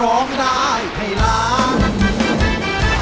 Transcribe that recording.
ร้องได้ให้ล้าน